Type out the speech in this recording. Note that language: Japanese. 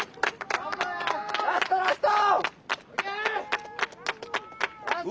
ラストラスト！